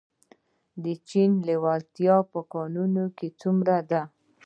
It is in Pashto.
د چین لیوالتیا په کانونو کې څومره ده؟